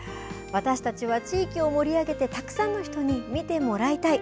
私たちは地域を盛り上げてたくさんの人に見てもらいたい。